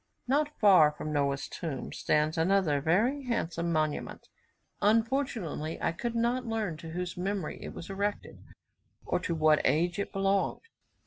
Not far from Noah's tomb stands another very handsome monument; unfortunately I could not learn to whose memory it was erected, or to what age it belonged.